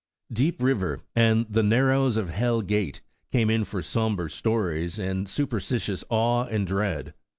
''Deep River" and the ''Narrows of Hell Gate," came in for somber stories, and superstitious awe and dread.